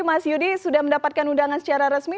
mas yudi sudah mendapatkan undangan secara resmi